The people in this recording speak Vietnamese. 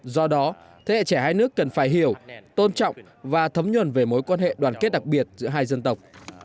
do đó thế hệ trẻ hai nước cần phải hiểu tôn trọng và thấm nhuần về mối quan hệ đoàn kết đặc biệt giữa hai dân tộc